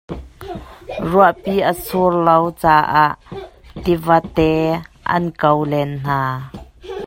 Ruahpi a sur lo caah tivate an ko len hna.